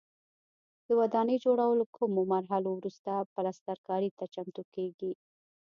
د ودانۍ جوړولو کومو مرحلو وروسته پلسترکاري ته چمتو کېږي.